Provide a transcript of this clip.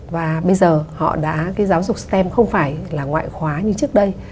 và bây giờ họ đã cái giáo dục stem không phải là ngoại khóa như trước đây